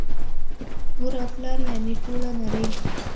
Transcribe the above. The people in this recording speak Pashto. مور او پلار یعني ټوله نړۍ